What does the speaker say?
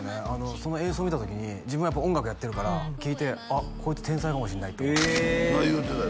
その演奏見た時に自分もやっぱ音楽やってるから聴いてあっこいつ天才かもしんないって思ったってああ言うてたよ